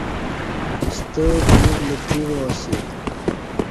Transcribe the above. ستہ بلیوک لتری وا اسی۔